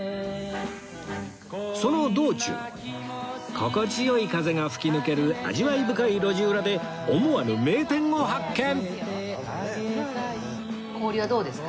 その道中心地よい風が吹き抜ける味わい深い路地裏で思わぬ名店を発見！